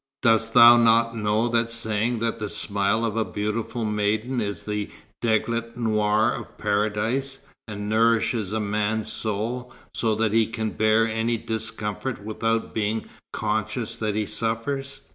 "Dost thou not know the saying that the smile of a beautiful maiden is the deglet nour of Paradise, and nourishes a man's soul, so that he can bear any discomfort without being conscious that he suffers?"